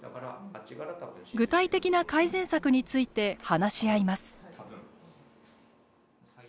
具体的な改善策について話し合います。